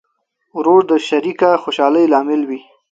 ورور د شریکه خوشحالۍ لامل وي.